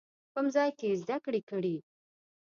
کوم ځای کې یې زده کړې کړي؟